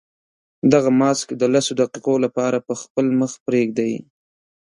دغه ماسک د لسو دقیقو لپاره په خپل مخ پرېږدئ.